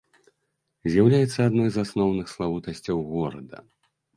З'яўляецца адной з асноўных славутасцяў горада.